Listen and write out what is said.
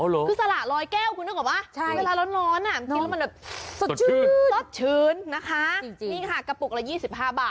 อ๋อหรอคือสร่าลอยแก้วคุณนึกออกป่ะ